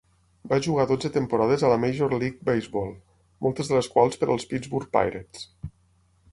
Va jugar dotze temporades a la Major League Baseball, moltes de les quals per als Pittsburgh Pirates.